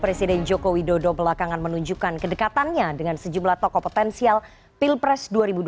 presiden joko widodo belakangan menunjukkan kedekatannya dengan sejumlah tokoh potensial pilpres dua ribu dua puluh